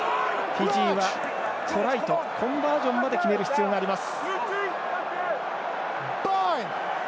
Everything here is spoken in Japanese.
フィジーは、トライとコンバージョンまで決める必要があります。